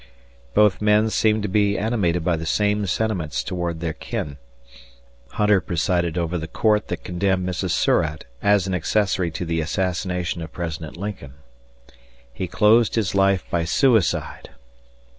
Both men seemed to be animated by the same sentiments towards their kin. Hunter presided over the court that condemned Mrs. Surratt as an accessory to the assassination of President Lincoln. He closed his life by suicide.